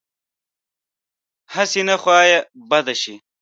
هسې نه خوا یې بده شي.